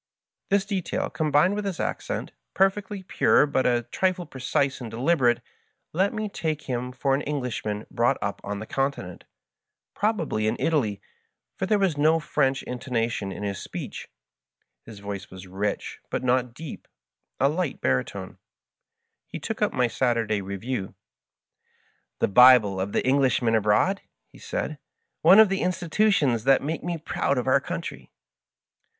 This detail, combined with his accent, perfectly pure but a trifle precise and deliberate, led me to take him for an Englishman brought up on the Continent — ^probably in Italy, for there was no French intonation in his speech. His voice was rich, but not deep — ^a light baritone. Digitized by VjOOQIC MY FASCINATIUfG FRIEND. 137 He took up my "Saturday Review." "The Bible of the Englishman abroad," he said. "One of the institutions that make me proud of our country."